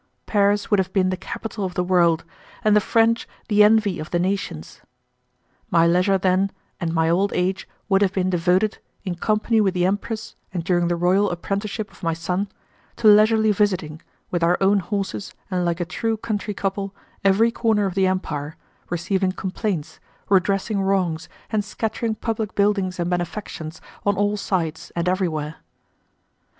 Paris would have been the capital of the world, and the French the envy of the nations! My leisure then, and my old age, would have been devoted, in company with the Empress and during the royal apprenticeship of my son, to leisurely visiting, with our own horses and like a true country couple, every corner of the Empire, receiving complaints, redressing wrongs, and scattering public buildings and benefactions on all sides and everywhere.